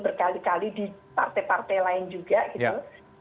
berkali kali di partai partai lain juga gitu